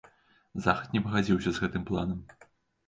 Захад не пагадзіўся з гэтым планам.